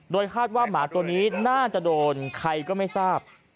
โดยคาดว่าหมาตัวนี้น่าจะโดนใครก็ไม่ทราบ